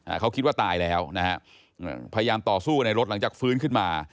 เขาคิดว่าตายแล้วนะฮะอ่าพยายามต่อสู้ในรถหลังจากฟื้นขึ้นมา